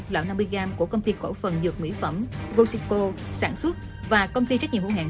lão năm mươi g của công ty cổ phần dược mỹ phẩm rocycle sản xuất và công ty trách nhiệm hữu hàng